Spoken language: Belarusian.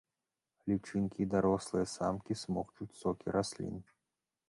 Лічынкі і дарослыя самкі смокчуць сокі раслін.